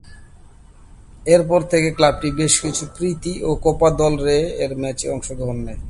এর পর থেকে ক্লাবটি বেশ কিছু প্রীতি ও কোপা দেল রে-এর ম্যাচে অংশ নেয়।